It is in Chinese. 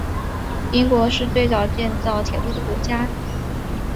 英国是最早建造铁路的国家。